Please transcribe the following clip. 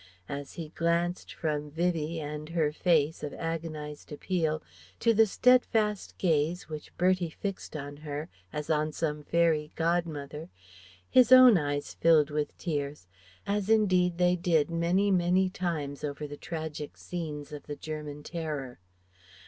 As he glanced from Vivie and her face of agonized appeal to the steadfast gaze which Bertie fixed on her, as on some fairy godmother, his own eyes filled with tears as indeed they did many, many times over the tragic scenes of the German Terror.